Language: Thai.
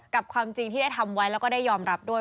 ความจริงที่ได้ทำไว้แล้วก็ได้ยอมรับด้วย